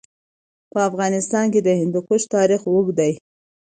په افغانستان کې د هندوکش تاریخ اوږد دی.